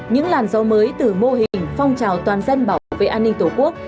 những làn gió mới từ mô hình phong trào toàn dân bảo vệ an ninh tổ quốc